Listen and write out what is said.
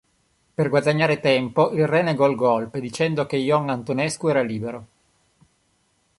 Per guadagnare tempo, il re negò il golpe, dicendo che Ion Antonescu era libero.